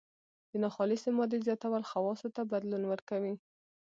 د ناخالصې مادې زیاتول خواصو ته بدلون ورکوي.